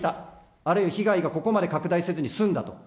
あるいは被害がここまで拡大せずに済んだと。